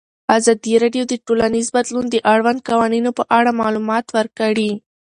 ازادي راډیو د ټولنیز بدلون د اړونده قوانینو په اړه معلومات ورکړي.